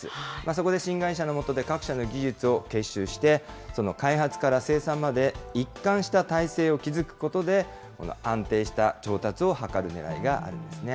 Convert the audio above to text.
そこで新会社の下で各社の技術を結集して、その開発から生産まで一貫した体制を築くことで、安定した調達を図るねらいがあるんですね。